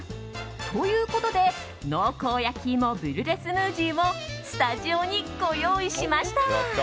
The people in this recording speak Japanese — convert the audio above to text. ということで、濃厚やきいもブリュレスムージーをスタジオにご用意しました。